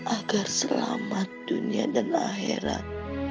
agar selamat dunia dan akhirat